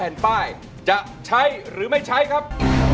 แผ่นป้ายจะใช้หรือไม่ใช้ครับ